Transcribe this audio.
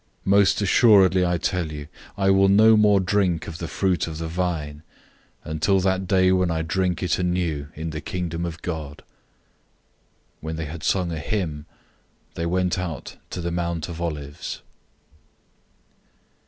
014:025 Most certainly I tell you, I will no more drink of the fruit of the vine, until that day when I drink it anew in the Kingdom of God." 014:026 When they had sung a hymn, they went out to the Mount of Olives.